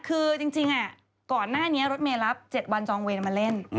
คือจริงก่อนหน้านี้รถเมย์รับ๗วันจองเวรมาเล่น